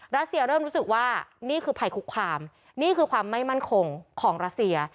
รัสเซียเริ่มรู้สึกว่านี่คือภัยคุกคามนี่คือความไม่มั่นคงของรัสเซีย